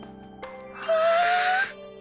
わあ！